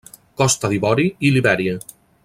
Costa d'Ivori i Libèria.